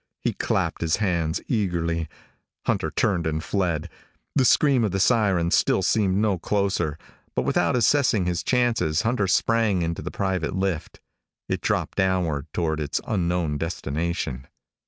He clapped his hands eagerly. Hunter turned and fled. The scream of the sirens still seemed no closer, but without assessing his chances Hunter sprang into the private lift. It dropped downward toward its unknown destination.